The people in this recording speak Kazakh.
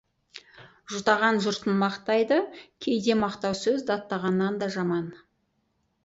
Жұтаған жұртын мақтайды, кейде мақтау сөз даттағаннан да жаман.